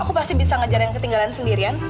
aku pasti bisa ngajarin ketinggalan sendirian